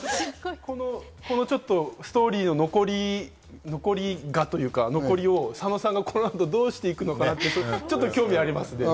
すごいストーリーの残り香というか、残りをサノさんがこの後、どうしていくのかなって、ちょっと興味がありますね。